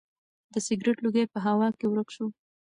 د سګرټ لوګی په هوا کې ورک شو.